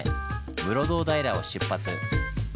室堂平を出発。